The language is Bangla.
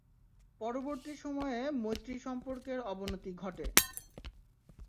পরবর্তী সময়ে মৈত্রী সম্পর্কের অবনতি ঘটে।